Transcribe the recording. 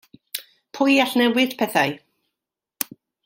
Pwy all newid pethau?